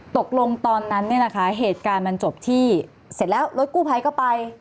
ตอนนั้นเนี่ยนะคะเหตุการณ์มันจบที่เสร็จแล้วรถกู้ภัยก็ไป